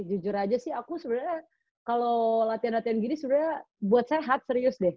jujur aja sih aku sebenernya kalau latihan latihan gini sebenernya buat saya hard serius deh